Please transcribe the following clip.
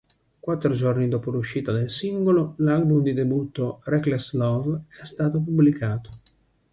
Quattro giorni dopo l'uscita del singolo, l'album di debutto "Reckless Love", è stato pubblicato.